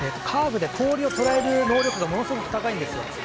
カーブで氷を捉える能力がものすごく高いんですよ。